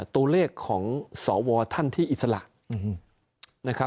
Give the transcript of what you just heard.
ตัวเลขของสวท่านที่อิสระ